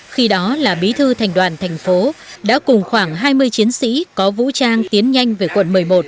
khi đó là bí thư thành đoàn thành phố đã cùng khoảng hai mươi chiến sĩ có vũ trang tiến nhanh về quận một mươi một